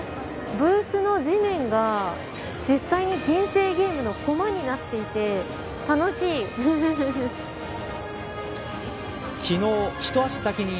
ブースの地面が実際に人生ゲームの駒になっていて昨日、一足先に